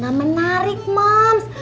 gak menarik mams